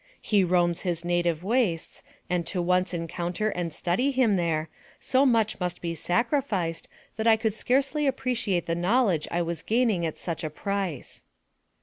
He roams his native wastes, and to once encounter and study him there, so much must be sacrificed that I could scarcely appreciate the knowledge I was gaining at such a price.